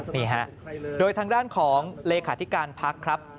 นี่ฮะโดยทางด้านของเลขาธิการพักครับ